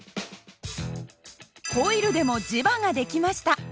コイルでも磁場が出来ました。